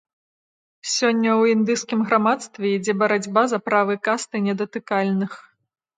Сёння ў індыйскім грамадстве ідзе барацьба за правы касты недатыкальных.